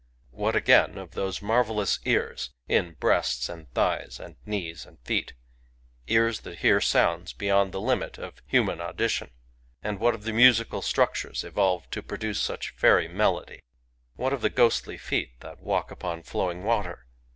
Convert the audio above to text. What, again, of those marvellous ears in breasts and thighs and knees and feet, — ears that hear sounds beyond the limit of human audi tion ? and what of the musical structures evolved to produce such fairy melody ? What of the ghostly feet that walk upon flowing water